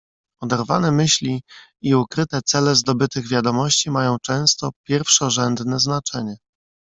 "Oderwane myśli i ukryte cele zdobytych wiadomości mają często pierwszorzędne znaczenie."